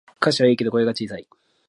歌詞はいいけど声が小さい